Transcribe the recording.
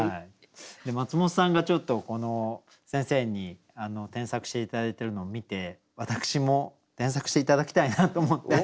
マツモトさんがちょっと先生に添削して頂いてるのを見て私も添削して頂きたいなと思って。